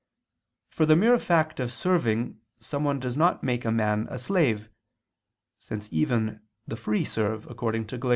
For the mere fact of serving someone does not make a man a slave, since even the free serve, according to Gal.